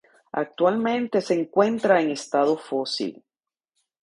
Actualmente se encuentra en estado fósil.